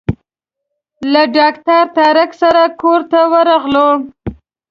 له ډاکټر طارق سره کور ته ورغلو.